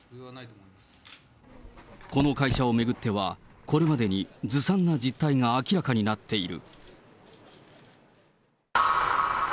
この会社を巡っては、これまでにずさんな実態が明らかになっている。